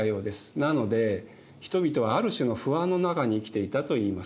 なので人々はある種の不安の中に生きていたといいます。